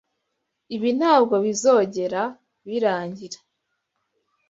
Ibi ntabwo bizogera birangira.